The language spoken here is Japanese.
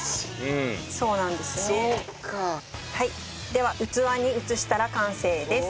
では器に移したら完成です。